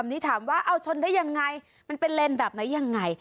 นี่ถามว่าเอาชนได้ยังไงมันเป็นเลนแบบไหนยังไง